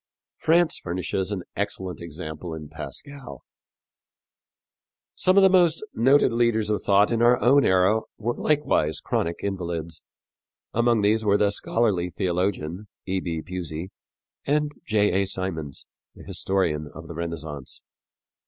France furnishes an excellent example in Pascal. Some of the most noted leaders of thought in our own era were likewise chronic invalids. Among these were the scholarly theologian, E. B. Pusey, and J. A. Symonds, the historian of the Renaissance.